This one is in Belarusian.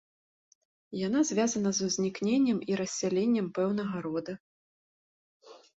Яна звязана з узнікненнем і рассяленнем пэўнага рода.